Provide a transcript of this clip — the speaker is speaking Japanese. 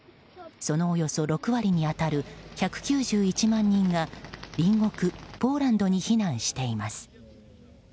そのおよそ６割に当たる１９１万人が隣国ポーランドに避難しています。